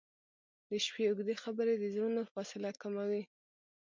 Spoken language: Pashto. • د شپې اوږدې خبرې د زړونو فاصله کموي.